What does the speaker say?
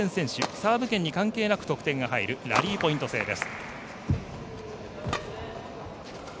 サーブ権に関係なく得点が入るラリーポイント制です。